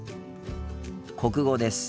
国語です。